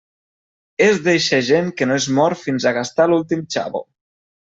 És d'eixa gent que no es mor fins a gastar l'últim xavo.